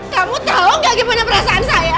kamu tau gak gimana perasaan saya